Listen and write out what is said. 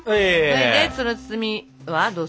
それでその包みはどうする？